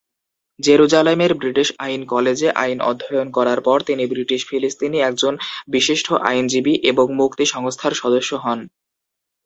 জেরুজালেমের ব্রিটিশ আইন কলেজে আইন অধ্যয়ন করার পর তিনি ব্রিটিশ-ফিলিস্থিনি একজন বিশিষ্ট আইনজীবী এবং মুক্তি সংস্থার সদস্য হন।